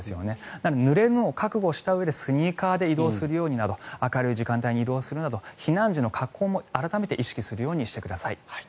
なのでぬれるのを覚悟したうえでスニーカーで移動するようにするなど明るい時間帯に移動するなど避難時の格好も改めて意識するようにしてください。